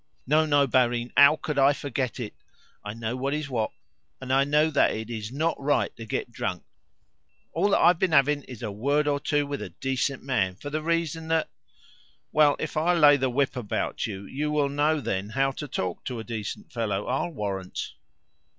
"No, no, barin. HOW could I forget it? I know what is what, and know that it is not right to get drunk. All that I have been having is a word or two with a decent man, for the reason that " "Well, if I lay the whip about you, you'll know then how to talk to a decent fellow, I'll warrant!"